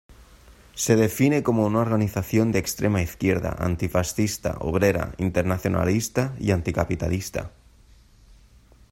Se define como una organización de extrema izquierda, antifascista, obrera, internacionalista y anticapitalista.